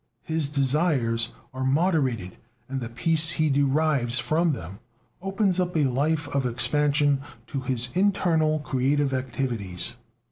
His desires are moderated, and the peace he derives from them opens up a life of expansion to his internal creative activities.